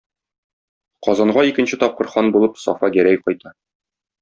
Казанга икенче тапкыр хан булып Сафа Гәрәй кайта.